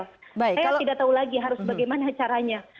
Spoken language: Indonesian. saya tidak tahu lagi harus bagaimana caranya